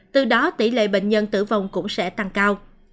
từ đó tỷ lệ bệnh nhân tử vong cũng sẽ tăng cao